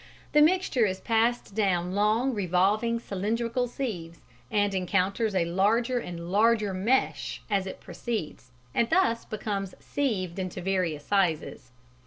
The mixture is passed down long revolving cylindrical sieves and encounters a larger and larger mesh as it proceeds, and thus becomes sieved into various sizes.